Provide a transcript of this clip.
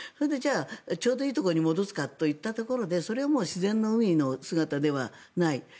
ちょうどいいところに戻すかといったところでそれは自然の海の姿ではない。